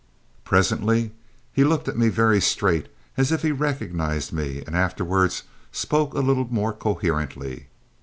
Presently he looked at me very straight as if he recognised me, and afterwards spoke a little more coherently.